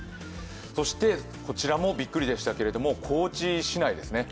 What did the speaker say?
そしてこちらもびっくりでしたけれども、高知市内ですね。